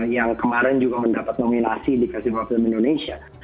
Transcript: yang kemarin juga mendapat nominasi di festival film indonesia